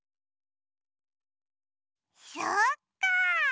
そっかあ！